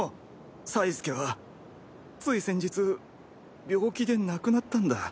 才輔はつい先日病気で亡くなったんだ。